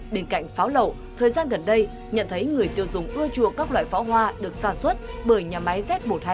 bên cạnh pháo lậu thời gian gần đây nhận thấy người tiêu dùng ưa chuộng các loại pháo hoa được sản xuất bởi nhà máy z một trăm hai mươi